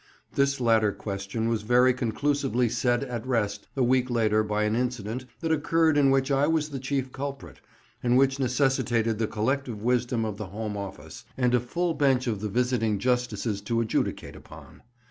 This latter question was very conclusively set at rest a week later by an incident that occurred in which I was the chief culprit, and which necessitated the collective wisdom of the Home Office and a full bench of the Visiting Justices to adjudicate upon.